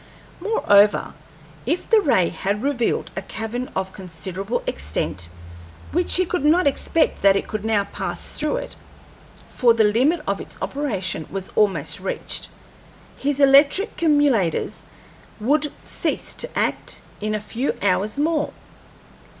Moreover, if the ray had revealed a cavern of considerable extent he could not expect that it could now pass through it, for the limit of its operations was almost reached. His electric cumulators would cease to act in a few hours more.